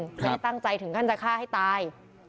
ไม่ตั้งใจถึงการจะฆ่าให้ตาย